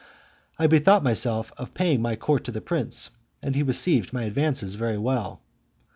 I bethought myself of paying my court to the prince, and he received my advances very well.